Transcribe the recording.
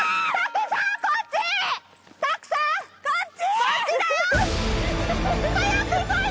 こっちだよ！